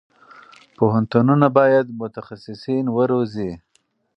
پوهنتونونه باید متخصصین وروزي.